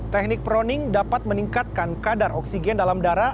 teknik proning dapat meningkatkan kadar oksigen dalam darah